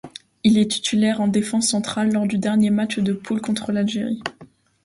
Il est titulaire en défense centrale lors du dernier match de poule contre l'Algérie.